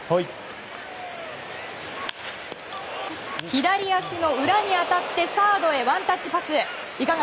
左足の裏に当たってサードへワンタッチパス。